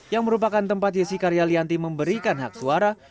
yang merupakan tempat yesi karyalianti memberikan hak suara